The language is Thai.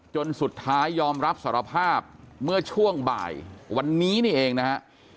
จนสุดท้ายยอมรับสารภาพเมื่อช่วงบ่ายวันนี้นี่เองนะฮะ